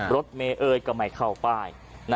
รถเมย์เอ้ยก็ไม่เข้าป้าย